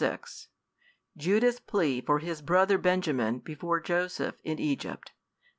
41 Judah's Plea for his Brother Benjamin, before Joseph in Egypt.